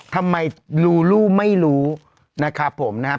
ทำไมลูลูไม่รู้นะครับผมนะครับ